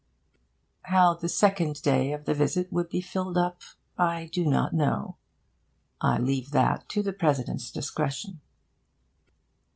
How the second day of the visit would be filled up, I do not know; I leave that to the President's discretion.